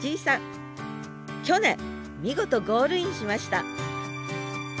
去年見事ゴールインしました